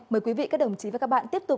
mời quý vị các đồng chí và các bạn tiếp tục